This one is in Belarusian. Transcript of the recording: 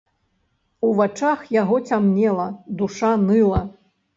У вачах яго цямнела, душа ныла.